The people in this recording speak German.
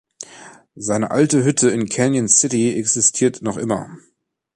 Seine alte Hütte in Canyon City existiert noch immer.